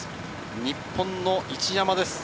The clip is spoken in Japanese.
日本の一山です。